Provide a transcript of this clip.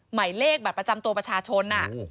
ไหมเลขแบบประจำตัวประชาชน